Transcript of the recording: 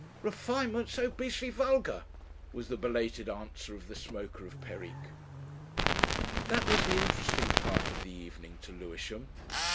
"Refinement's so beastly vulgar," was the belated answer of the smoker of Perique. That was the interesting part of the evening to Lewisham.